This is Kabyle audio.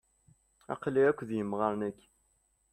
Aql-iken d imɣaren yagi.